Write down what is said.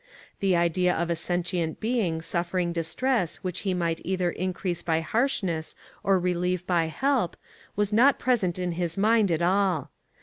The idea of a sentient being suffering distress which he might either increase by harshness or relieve by help was not present in his mind at all.